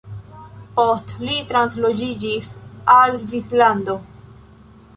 Post li transloĝiĝis al Svislando.